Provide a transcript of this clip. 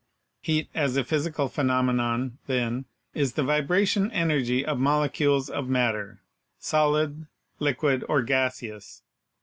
Heat as a physical phenomenon, then, is the vibration energy of molecules of matter — solid, liquid, or gaseous.